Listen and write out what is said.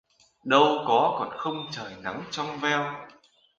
Đâu có còn khung trời nắng trong veo